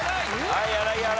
はい柳原。